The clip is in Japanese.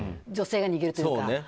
女性が逃げるというか。